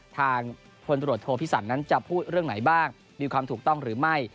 ทางพลตรวจโทพิสันนั้นจะพูดเรื่องไหนบ้างมีความถูกต้องหรือไม่